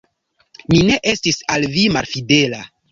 Mi ne estis al vi malfidela.